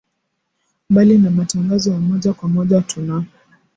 Mbali na matangazo ya moja kwa moja tuna